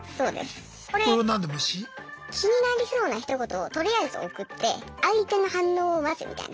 気になりそうなひと言をとりあえず送って相手の反応を待つみたいな。